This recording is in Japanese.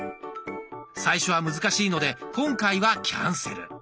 最初は難しいので今回はキャンセル。